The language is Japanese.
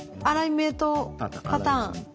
アライメントパターン。